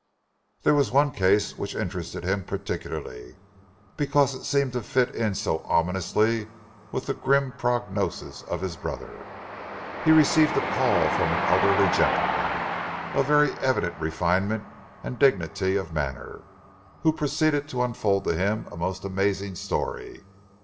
There was one case which interested him particularly, because it seemed to fit in so ominously with the grim prognosis of his brother. He received a call from an elderly gentleman, of very evident refinement and dignity of manner, who proceeded to unfold to him a most amazing story.